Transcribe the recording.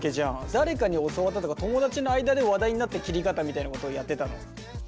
誰かに教わったとか友達の間で話題になった切り方みたいなことをやってたの？